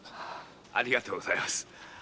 ありがとうございます。